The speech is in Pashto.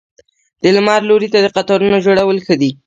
د لمر لوري ته د قطارونو جوړول ښه دي؟